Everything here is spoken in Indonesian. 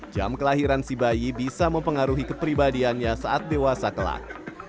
jam kelahiran si bayi bisa mempengaruhi kepribadiannya saat dewasa kelak